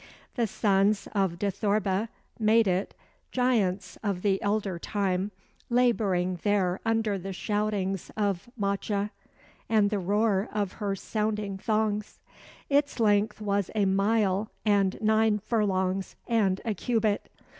The sons of Dithorba made it, giants of the elder time, laboring there under the shoutings of Macha and the roar of her sounding thongs. Its length was a mile and nine furlongs and a cubit.